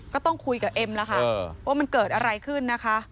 ก็ต้องคุยกับเอ็มแล้วค่ะว่ามันเกิดอะไรขึ้นนะคะ